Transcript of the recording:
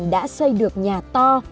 đã xây được nhà to